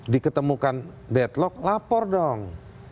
diketemukan deadlock lapor dong